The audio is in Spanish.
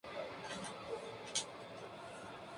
La primera tiene cuerpo real negro, es bajista y fuerte.